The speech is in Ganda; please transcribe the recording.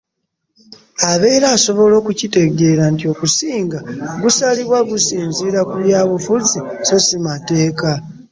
Abeera asobola okukitegeera nti okusinga gusalibwa gusinziira ku byabufuzi so si mateeka.